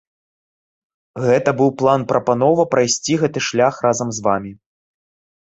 Гэта быў план-прапанова прайсці гэты шлях разам з вамі.